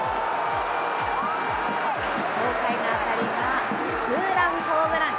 豪快な当たりはツーランホームラン。